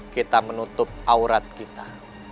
kita menutup aurat kita